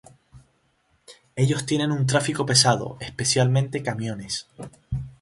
Ellos tienen un tráfico pesado, especialmente camiones.